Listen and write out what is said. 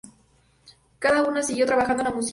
Cada una siguió trabajando en la música.